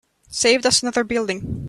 Saved us another building.